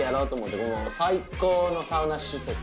ここ最高のサウナ施設。